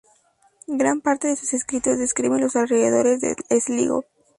Gran parte de sus escritos describen los alrededores de Sligo.